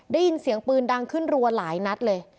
ได้ยินเสียงปืนดังขึ้นรัวหลายนัดเลย